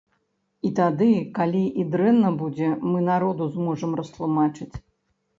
І тады, калі і дрэнна будзе, мы народу зможам растлумачыць.